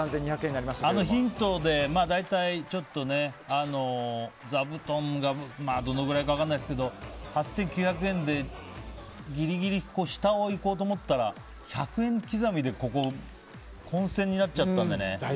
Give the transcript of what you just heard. あのヒントで大体、ザブトンがどのくらいか分からないですけど８９００円でギリギリ、下をいこうと思ったら１００円刻みで混戦になっちゃったんでね。